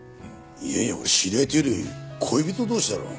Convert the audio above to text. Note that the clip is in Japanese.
いやいや知り合いというより恋人同士だろ。